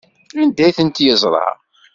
Anda ay tent-yeẓra?